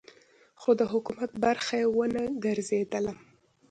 خو د حکومت برخه یې ونه ګرځېدلم.